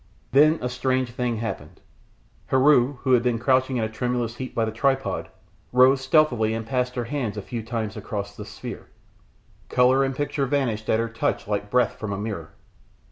Then a strange thing happened. Heru, who had been crouching in a tremulous heap by the tripod, rose stealthily and passed her hands a few times across the sphere. Colour and picture vanished at her touch like breath from a mirror.